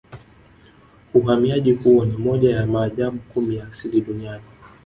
Uhamiaji huo ni moja ya maajabu kumi ya asili Duniani